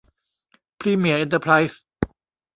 พรีเมียร์เอ็นเตอร์ไพรซ์